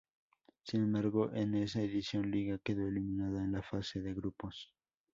Sin embargo, en esa edición Liga quedó eliminada en la fase de grupos.